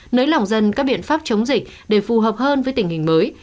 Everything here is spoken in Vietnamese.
nới lỏng dân các biện pháp chống dịch để phù hợp hơn với tình hình mới